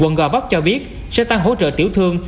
quận gò vấp cho biết sẽ tăng hỗ trợ tiểu thương